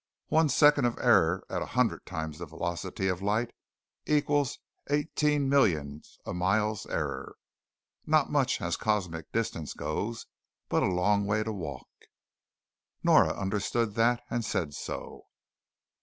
One second of error at a hundred times the velocity of light equals eighteen millions of miles error. Not much as cosmic distance goes, but a long way to walk." Nora understood that, and said so.